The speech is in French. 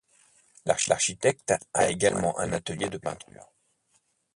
L'architecte a également un atelier de peinture.